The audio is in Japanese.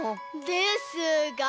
ですが！